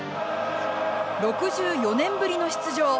６４年ぶりの出場